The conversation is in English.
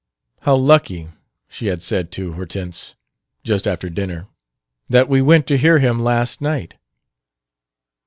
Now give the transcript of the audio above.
"How lucky," she had said to Hortense, just after dinner, "that we went to hear him last night!"